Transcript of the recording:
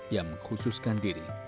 ia mengkhususkan diri